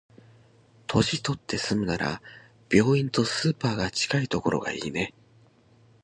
年取って住むなら、病院とスーパーが近いところがいいね。